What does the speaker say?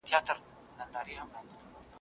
کاردستي د ماشومانو د نظریاتو څرګندونه اسانه کوي.